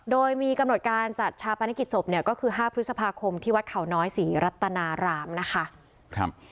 โดยมีกำหนดการจัดชาปนกิจศพเนี่ยก็คือ๕พฤษภาคมที่วัดเขาน้อยศรีรัตนารามนะคะ